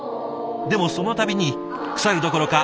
でもその度に腐るどころか